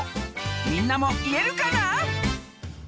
みんなもいえるかな？